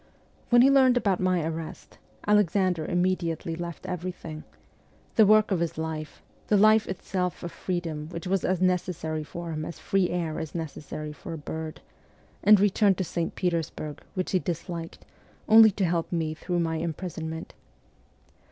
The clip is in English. When he learned about my arrest, Alexander immediately left everything the work of his life, the life itself of freedom which was as necessary for him as free air is necessary for a bird and returned to St. Petersburg, which he disliked, only to help me through my imprisonment.